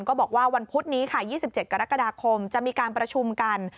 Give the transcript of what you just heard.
บอกว่าวันพุธนี้ค่ะ๒๗กรกฎาคมจะมีการประชุมกัน